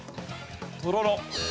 とろろ。